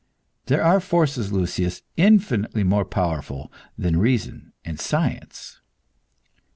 There are forces, Lucius, infinitely more powerful than reason and science."